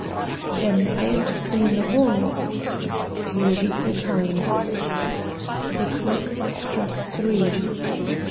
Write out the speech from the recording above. "Then I am to stay in the hall?" "If you will be so kind." The clock struck three.